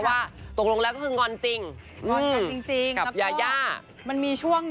ว่าตกลงแล้วคืองอนจริง